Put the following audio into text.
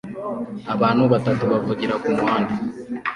Abantu batatu bavugira kumuhanda